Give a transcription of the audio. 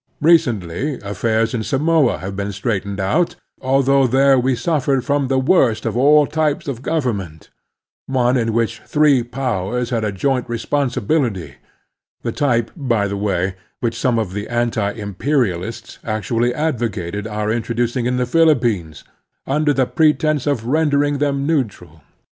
Recently affairs in Samoa have been straightened out, although there we suffered from the worst of all types of government, one in which three powers had a joint responsibility (the 36 The Strenuous Life type, by the way, which some of the anti imperi alists actually advocated our introducing in the Philippines, under the pretense of rendering them neutral).